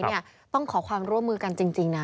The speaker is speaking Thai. ถ้าตุ๋นตั้งใจเอาไว้ต้องขอความร่วมมือกันจริงนะ